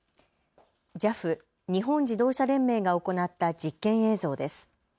ＪＡＦ・日本自動車連盟が行った実験映像です。